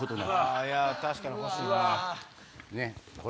確かに欲しいな。